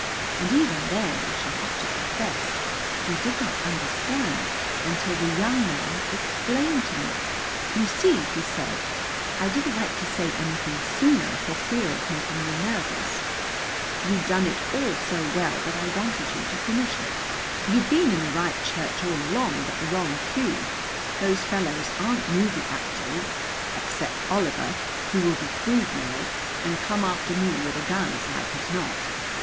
And even then, I shall have to confess, we did not understand until the young man explained to me. "You see," he said, "I didn't like to say anything sooner, for fear of making you nervous. You'd done it all so well that I wanted you to finish it. You're been in the right church all along, but the wrong pew. Those fellows aren't movie actors, except Oliver, who will be freed now, and come after me with a gun, as like as not!